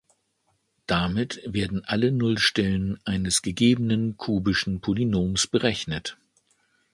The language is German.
Damit werden alle Nullstellen eines gegebenen kubischen Polynoms berechnet.